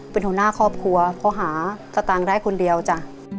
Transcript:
เป็นหัวหน้าครอบครัวเพราะหาสตางค์ได้คนเดียวจ้ะ